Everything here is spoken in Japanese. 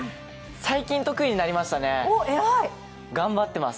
最近得意になりましたね、頑張ってます。